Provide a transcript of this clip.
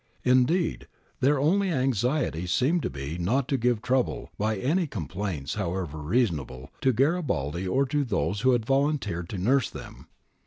Indeed their only anxiety seemed to be not to give trouble by any complaints, however reasonable, to Gari baldi or to those who had volunteered to nurse them.